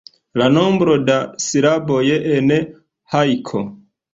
La nombro da silaboj en hajko.